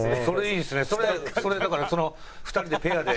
それだから２人でペアで。